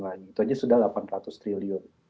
itu aja sudah delapan ratus triliun